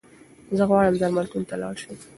زه غواړم درملتون ته لاړشم